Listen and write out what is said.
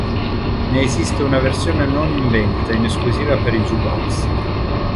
Ne esiste una versione non in vendita, in esclusiva per i jukebox.